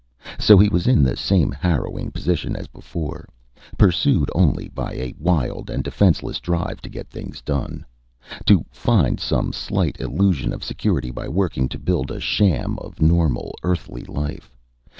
So he was in the same harrowing position as before, pursued only by a wild and defenseless drive to get things done. To find some slight illusion of security by working to build a sham of normal, Earthly life.